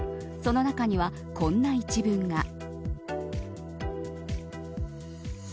その中には、こんな一文が。